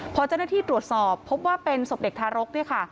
พอเจ้าหน้าที่ตรวจสอบพบว่าเป็นศพเด็กทารก